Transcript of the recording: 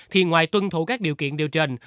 thì ngoài tuân thủ các điều kiện điều trình